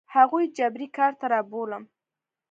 هغوی جبري کار ته رابولم.